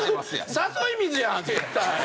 誘い水やん絶対。